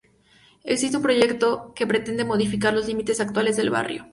Existe un proyecto que pretende modificar los límites actuales del barrio.